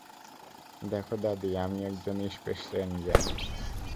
দেখো দাদী, আমিও একজন স্পেস রেঞ্জার।